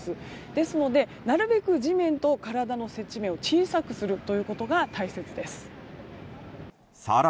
ですのでなるべく地面と体の接地面を小さくすることが大切です。